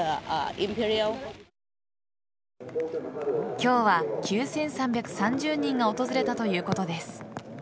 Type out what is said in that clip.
今日は９３３０人が訪れたということです。